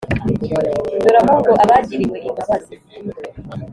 dore ahubwo abagiriwe imbabazi.»